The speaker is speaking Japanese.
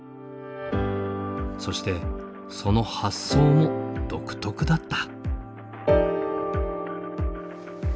そしてその発想も独特だった。